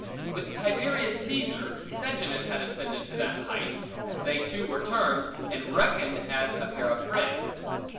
With Tiberius Caesar, Sejanus had ascended to that height, as they two were termed, and reckoned, as a pair of friends.